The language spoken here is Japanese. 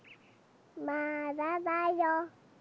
まだだよ。